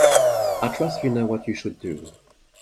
I trust you know what you should do.